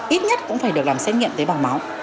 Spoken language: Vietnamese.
ít nhất cũng phải được làm xét nghiệm tế bằng máu